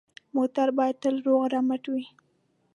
موټر باید تل روغ رمټ وي.